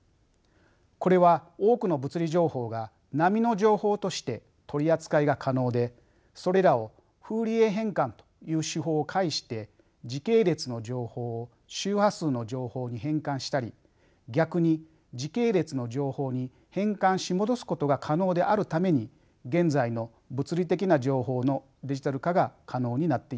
これは多くの物理情報が波の情報として取り扱いが可能でそれらをフーリエ変換という手法を介して時系列の情報を周波数の情報に変換したり逆に時系列の情報に変換し戻すことが可能であるために現在の物理的な情報のデジタル化が可能になっています。